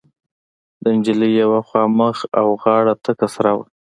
د نجلۍ يوه خوا مخ او غاړه تکه سره وه.